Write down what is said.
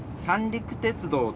三陸鉄道？